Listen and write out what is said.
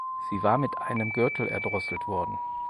Sie war mit einem Gürtel erdrosselt worden.